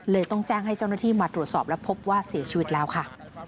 ต้องแจ้งให้เจ้าหน้าที่มาตรวจสอบและพบว่าเสียชีวิตแล้วค่ะ